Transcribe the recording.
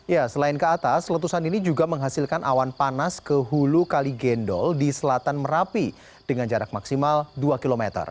ya selain ke atas letusan ini juga menghasilkan awan panas ke hulu kali gendol di selatan merapi dengan jarak maksimal dua km